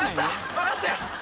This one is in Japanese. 分かったよ。